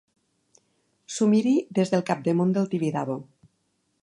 S'ho miri des del capdamunt del Tibidabo.